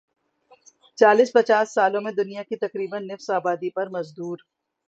چالیس پچاس سالوں میں دنیا کی تقریبا نصف آبادی پر مزدور